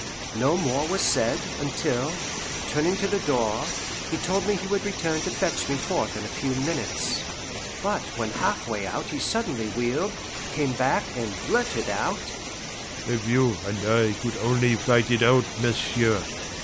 No more was said, until, turning to the door, he told me he would return to fetch me forth in a few minutes. But when halfway out he suddenly wheeled, came back, and blurted out, "If you and I could only fight it out, m'sieu'!